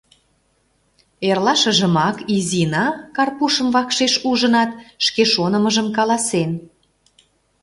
Эрлашыжымак Изина, Карпушым вакшеш ужынат, шке шонымыжым каласен: